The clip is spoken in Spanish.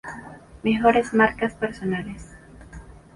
Mejores Marcas personales